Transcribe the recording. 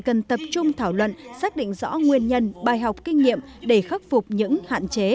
cần tập trung thảo luận xác định rõ nguyên nhân bài học kinh nghiệm để khắc phục những hạn chế